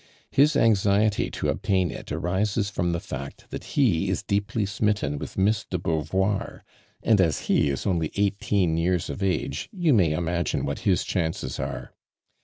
His anxiety to obtain it arises from the fact that he is deeply smitten with Miss de Beau voir, and svs he is only eighteen years of age. you may imagine what his chances are.